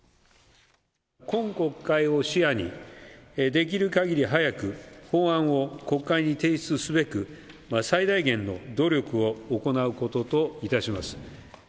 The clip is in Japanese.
今国会を視野に、できるかぎり早く法案を国会に提出すべく、最大限の努力を行うことといたします。